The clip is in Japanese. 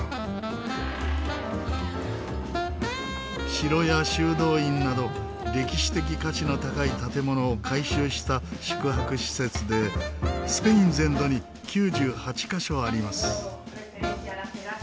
城や修道院など歴史的価値の高い建物を改修した宿泊施設でスペイン全土に９８カ所あります。